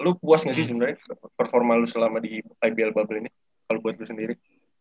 lu puas gak sih sebenarnya performa lo selama di ibl bubble ini kalau buat lo sendiri